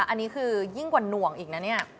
อันนี้คือยิ่งกว่าหน่วงอีกนะเนี่ย